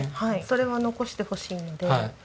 それは残してほしいので。